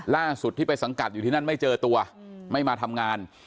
ล่าสุดที่ไปสังกัดอยู่ที่นั่นไม่เจอตัวไม่มาทำงาน